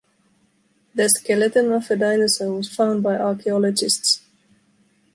The skeleton of a dinosaur was found by archaeologists.